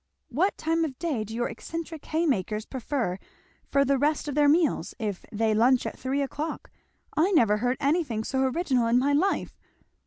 "What time of day do your eccentric hay makers prefer for the rest of their meals, if they lunch at three o'clock? I never heard anything so original in my life."